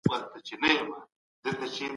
ايا شريکول ګټور دي؟